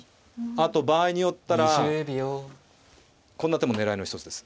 あと場合によったらこんな手も狙いの一つです。